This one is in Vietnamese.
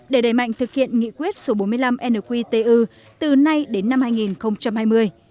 để đẩy mạnh thực hiện nghị quyết số bốn mươi năm nqtu từ nay đến năm hai nghìn hai mươi